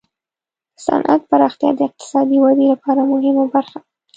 د صنعت پراختیا د اقتصادي ودې لپاره مهمه برخه ده.